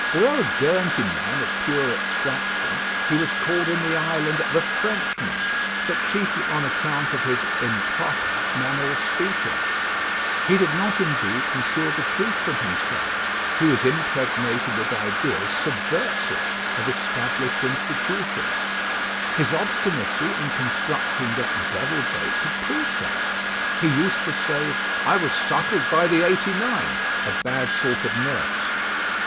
Although a Guernsey man of pure extraction, he was called in the island "the Frenchman;" but chiefly on account of his "improper" manner of speaking. He did not indeed conceal the truth from himself. He was impregnated with ideas subversive of established institutions. His obstinacy in constructing the "Devil Boat" had proved that. He used to say, "I was suckled by the '89" a bad sort of nurse.